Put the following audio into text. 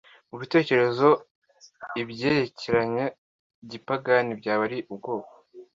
mubitekerezo ibyerekeranye gipagani byaba ari ubwoko